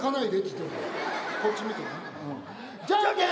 こっち見てね。